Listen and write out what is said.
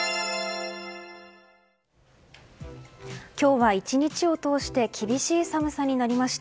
今日は１日を通して厳しい寒さになりました。